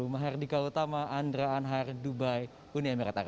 mahardika utama andra anhar dubai uni emirat arab